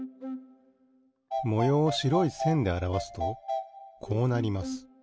もようをしろいせんであらわすとこうなります。